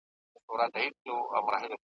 که جوار غنم سي بند اووه کلونه ,